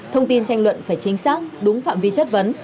thông tin tranh luận phải chính xác đúng phạm vi chất vấn